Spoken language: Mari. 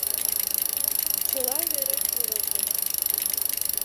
Чыла вере кӱрылтыш.